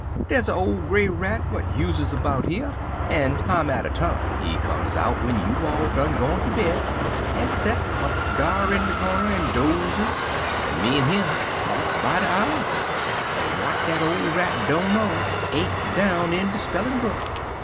W'y, der's er old gray rat w'at uses 'bout yer, en time atter time he comes out w'en you all done gone ter bed en sets up dar in de cornder en dozes, en me en him talks by de 'our; en w'at dat old rat dunno ain't down in de spellin' book.